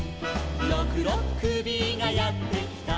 「ろくろっくびがやってきた」